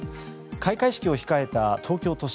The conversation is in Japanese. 開会式を控えた東京都心。